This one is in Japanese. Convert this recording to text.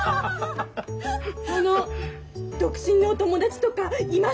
あの独身のお友達とかいます？